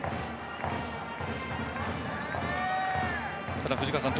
ただ藤川さん